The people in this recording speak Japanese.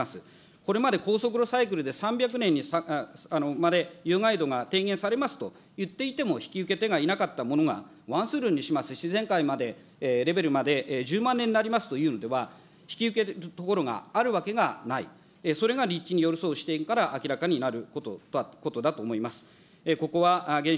これまで高速炉サイクルで３００年にまで有害度が提言されますと言っていても、引き受け手がいなかったものが、ワンスルーにします、減災レベルまで１０万年になりますというのでは、引き受ける所があるわけがない、それが立地に寄り添う視点から明らかになることだと思います。